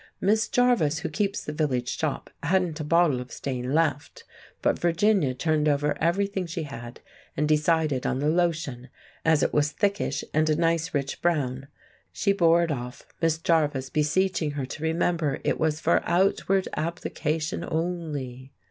Miss Jarvis, who keeps the village shop, hadn't a bottle of stain left, but Virginia turned over everything she had and decided on the lotion, as it was thickish and a nice rich brown. She bore it off, Miss Jarvis beseeching her to remember it was for outward application only.